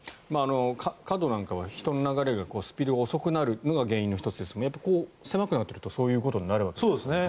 角なんかは人の流れのスピードが遅くなるので狭くなっているとそういうことになるわけですね。